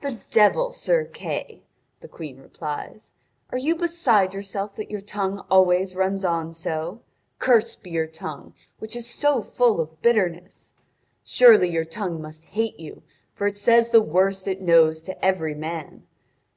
"The devil, Sir Kay," the Queen replies, "are you beside yourself that your tongue always runs on so? Cursed be your tongue which is so full of bitterness! Surely your tongue must hate you, for it says the worst it knows to every man.